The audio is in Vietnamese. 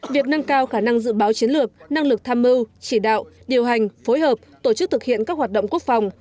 việc nâng cao khả năng dự báo chiến lược năng lực tham mưu chỉ đạo điều hành phối hợp tổ chức thực hiện các hoạt động quốc phòng